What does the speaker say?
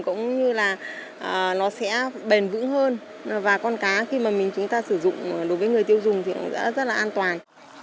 cũng như là nó sẽ bền vững hơn và con cá khi mà mình chúng ta sử dụng đối với người tiêu dùng thì cũng đã rất là an toàn